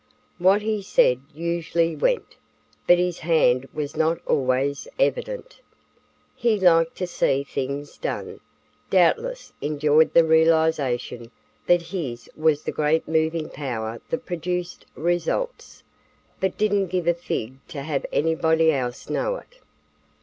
What he said usually went, but his hand was not always evident. He liked to see things done, doubtless enjoyed the realization that his was the great moving power that produced results, but didn't give a fig to have anybody else know it.